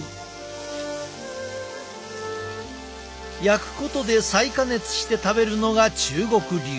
焼くことで再加熱して食べるのが中国流。